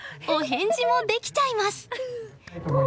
お返事もできちゃいます！